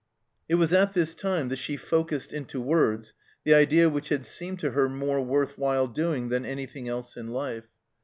It was at this time that she focussed into words the idea which had seemed to her more worth while doing than anything else in life.